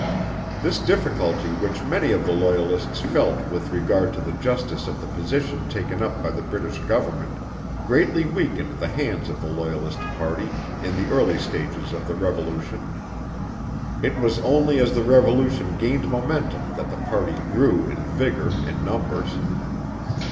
This difficulty which many of the Loyalists felt with regard to the justice of the position taken up by the British government greatly weakened the hands of the Loyalist party in the early stages of the Revolution. It was only as the Revolution gained momentum that the party grew in vigour and numbers.